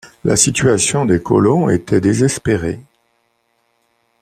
La situation des colons était désespérée.